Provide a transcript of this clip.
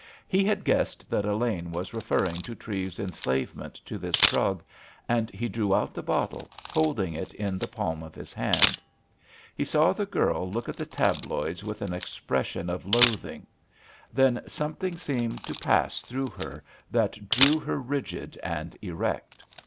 He had guessed that Elaine was referring to Treves's enslavement to this drug, and he drew out the bottle, holding it in the palm of his hand. He saw the girl look at the tabloids with an expression of loathing; then something seemed to pass through her that drew her rigid and erect.